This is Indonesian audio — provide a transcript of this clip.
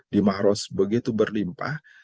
di maros begitu berlimpah